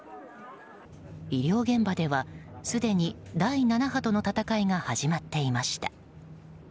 医療現場ではすでに第７波との闘いが始まっていました。